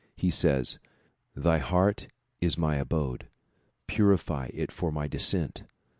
He says "Thy heart is my abode; purify it for my descent.